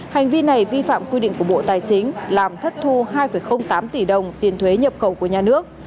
hành vi này vi phạm quy định của bộ tài chính làm thất thu hai tám tỷ đồng tiền thuế nhập khẩu của nhà nước